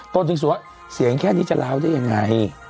ต้นที่สวะเสียงแค่นี้จะราวได้ยังไง